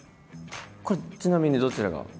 これちなみにどちらが？